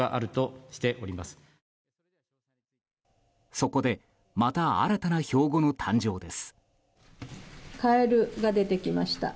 そこでまた新たな標語の誕生です。